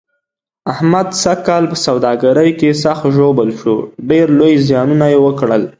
احمد سږ کال په سوداګرۍ کې سخت ژوبل شو، ډېر لوی زیانونه یې وکړل.